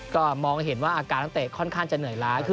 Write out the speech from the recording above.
ก็มองเห็นว่าอาการนักเตะค่อนข้างจะเหนื่อยล้า